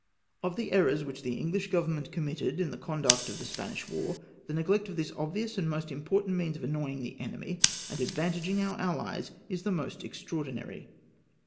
Of the errors which the English Grovernment committed in the con duct of the Spanish war, the neglect of this obvious and most important means of annoying the enemy, and advantaging our allies, is the most extraordinary.